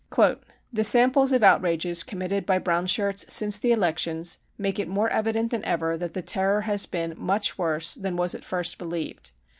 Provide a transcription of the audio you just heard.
" The samples of outrages committed by Brown Shirts since the elections make it more evident than ever that the Terror has been much worse than was at first believed.